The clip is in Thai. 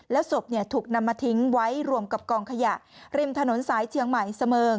ศพถูกนำมาทิ้งไว้รวมกับกองขยะริมถนนสายเชียงใหม่เสมิง